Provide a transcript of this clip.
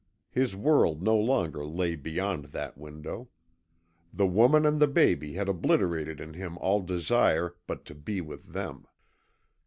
His world no longer lay beyond that window. The Woman and the baby had obliterated in him all desire but to be with them.